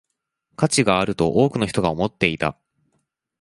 価値があると多くの人が思っていた